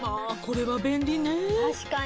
これは便利ね。